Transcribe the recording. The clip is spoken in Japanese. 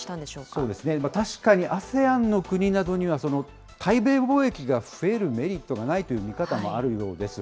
そうですね、確かにＡＳＥＡＮの国などには対米貿易が増えるメリットがないという見方もあるようです。